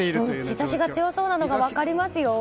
日差しが強そうなのが分かりますよ。